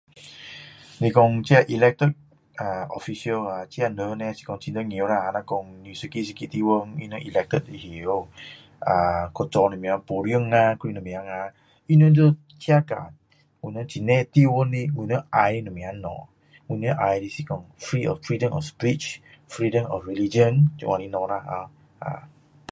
我说这 elected 希望这些人叻是很重要如果说一个一个地方他们 elected 可以做什么奉献呀给到我们这个地方的要的是什么东西我们要的东西 free of them of bridge free them of region 这样的东西